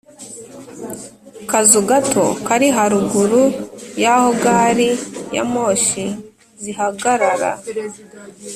Kazu gato kari haruguru y aho gari ya moshi zihagarara